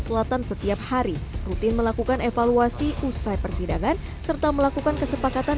selatan setiap hari rutin melakukan evaluasi usai persidangan serta melakukan kesepakatan